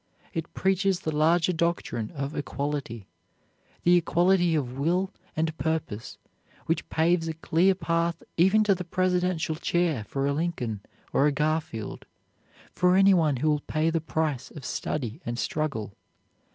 It preaches the larger doctrine of equality; the equality of will and purpose which paves a clear path even to the Presidential chair for a Lincoln or a Garfield, for any one who will pay the price of study and struggle.